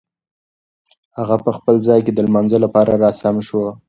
هغه په خپل ځای کې د لمانځه لپاره را سم شو.